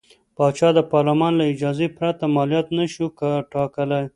پاچا د پارلمان له اجازې پرته مالیات نه شوای ټاکلی.